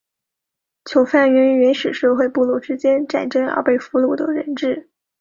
囚犯源于原始社会部落之间战争而被俘虏的人质。